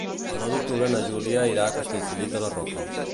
El nou d'octubre na Júlia irà a Castellfollit de la Roca.